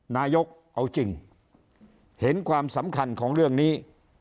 นายกเอาจริงเห็นความสำคัญของเรื่องนี้